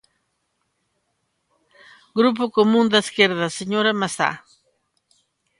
Grupo Común da Esquerda, señora Mazá.